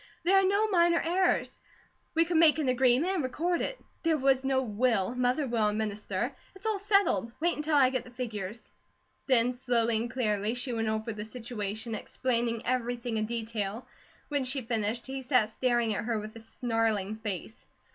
There are no minor heirs. We could make an agreement and record it. There was no will. Mother will administer. It's all settled. Wait until I get the figures." Then slowly and clearly she went over the situation, explaining everything in detail. When she finished he sat staring at her with a snarling face.